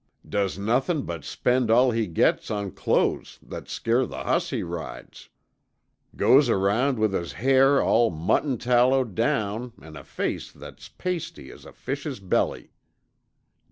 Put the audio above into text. Does nothin' but spend all he gets on clo'es that scare the hoss he rides. Goes around with his hair all mutton tallowed down an' a face that's pasty as a fish's belly.